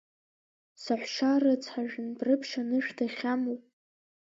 Саҳәшьа рыцҳа, Жәындәрыԥшь анышә дахьамоу…